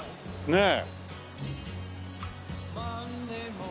ねえ。